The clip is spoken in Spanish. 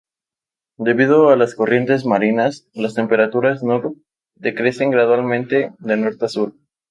Debido a las corrientes marinas, las temperaturas no decrecen gradualmente de norte a sur.